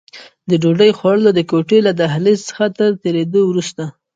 د ډوډۍ خوړلو د کوټې او له دهلېز څخه تر تېرېدو وروسته.